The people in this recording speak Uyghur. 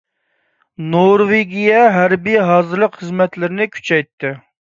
نورۋېگىيە ھەربىي ھازىرلىق خىزمەتلىرىنى كۈچەيتتى.